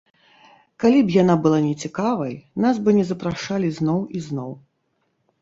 Калі б яна была нецікавай, нас бы не запрашалі зноў і зноў.